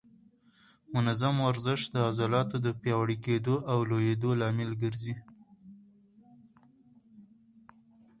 منظم ورزش د عضلاتو د پیاوړي کېدو او لویېدو لامل ګرځي.